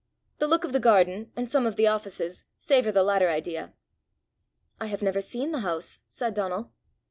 The look of the garden, and some of the offices, favour the latter idea." "I have never seen the house," said Donal.